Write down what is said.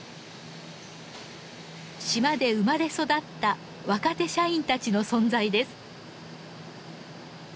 島で生まれ育った若手社員たちの存在です。